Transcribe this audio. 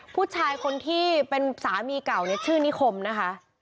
ผู้ชายคนที่เป็นสามีเก่าเนี่ยชื่อนิคมนะคะ